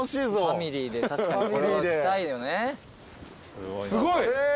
ファミリーで確かにこれは来たいよね。